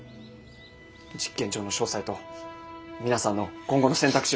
実験場の詳細と皆さんの今後の選択肢を。